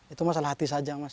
itu masalah hati saja mas